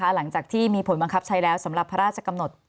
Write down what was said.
หลังจากที่มีผลบังคับใช้แล้วสำหรับพระราชกำหนด